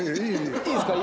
いいですか。